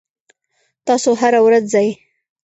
تاسو هره ورځ ځئ؟